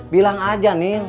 bilang aja nenek